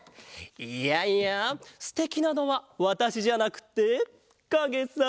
いやいやステキなのはわたしじゃなくてかげさ！